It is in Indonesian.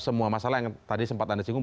semua masalah yang tadi sempat anda singgung